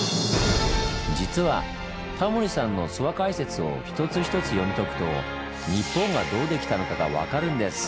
実はタモリさんの諏訪解説を一つ一つ読み解くと「日本」がどうできたのかが分かるんです！